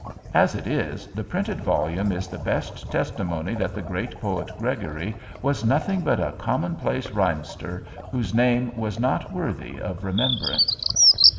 As it is, the printed volume is the best testimony that the great poet Gregory was nothing but a commonplace rhymester whose name was not worthy of remembrance.